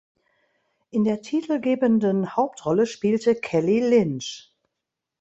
In der titelgebenden Hauptrolle spielte Kelly Lynch.